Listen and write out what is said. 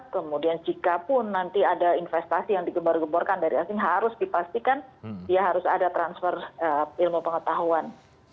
kemudian jika pun nanti ada investasi yang digebor geborkan dari asing harus dipastikan dia harus ada transfer ilmu pengetahuan